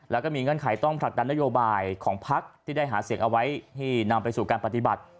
แล้วก็มีเงื่อนไขต้องผลักดันนโยบายของพักที่ได้หาเสียงเอาไว้ให้นำไปสู่การปฏิบัติ